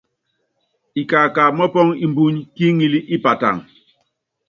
Ikaka mɔ́pɔ́ŋ imbúny kí iŋili i Pataŋ.